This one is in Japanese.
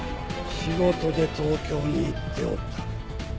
仕事で東京に行っておった。